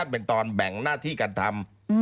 เป็นตอนแบ่งหน้าที่การทำ